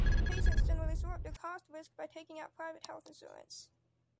Patients generally shore up their cost risk by taking out private health insurance.